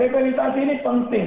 rehabilitasi ini penting